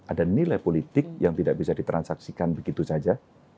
ada nilai politik yang tidak bisa ditransaksikan begitu saja